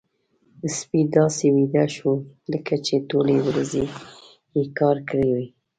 سپی داسې ویده شو لکه چې ټولې ورځې يې کار کړی وي.